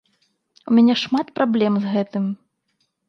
У мяне шмат праблем з гэтым.